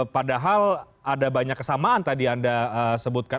padahal ada banyak kesamaan tadi anda sebutkan